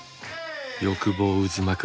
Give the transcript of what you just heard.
欲望渦巻く